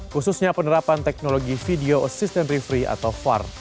khususnya penerapan teknologi video assistant refree atau var